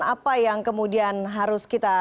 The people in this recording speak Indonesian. apa yang kemudian harus kita